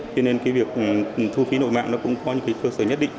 thế nên cái việc thu phí nội mạng nó cũng có những cơ sở nhất định